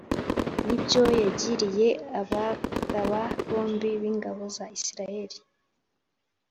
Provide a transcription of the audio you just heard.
n’ibyo yagiriye abagaba bombi b’ingabo za Isirayeli